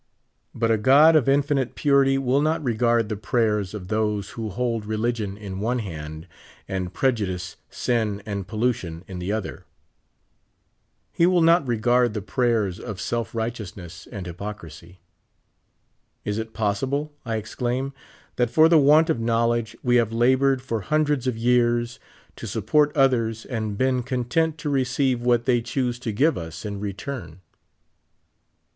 But n God of infinite purit}' will not re^jard the prayers of tliose who hold religion in* one hand, and prejudice, sin, and pollution in the other ; he will not regard the prayers of self righteousness and hypocrisy. Is it possible, I exclaim, that for the want of knowledge we have labored for hun dreds of 3'ears to support others, and been content to receive what they chose to give us in return